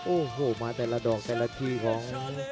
โอ้โหมาแต่ละดอกแต่ละทีของ